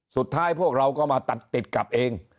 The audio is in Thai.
สุดท้ายพวกเราก็มาตัดติดกับเอง